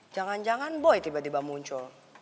jangan jangan boy tiba tiba muncul